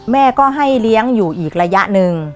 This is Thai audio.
แม่ก็ให้เลี้ยงอยู่อีกระยะหนึ่ง